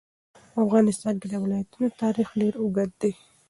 په افغانستان کې د ولایتونو تاریخ ډېر اوږد دی.